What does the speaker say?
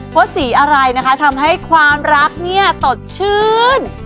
เพราะสีอะไรนะคะทำให้ความรักเนี่ยสดชื่น